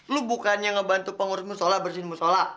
lo bukannya ngebantu pengurusmu sholat bersihinmu sholat